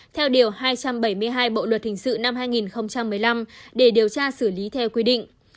theo điều hai trăm bảy mươi hai bộ luật hình sự năm hai nghìn một mươi năm để điều tra xử lý theo quy định